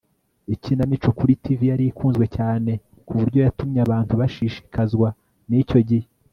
Ikinamico kuri TV yari ikunzwe cyane ku buryo yatumye abantu bashishikazwa nicyo gihe